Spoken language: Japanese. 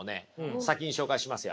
先に紹介しますよ。